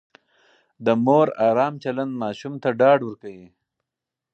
د مور ارام چلند ماشوم ته ډاډ ورکوي.